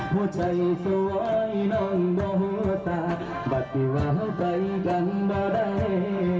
หัวใจสวยน้องบ่หัวตาบัตรวังใกล้กันบ่ได้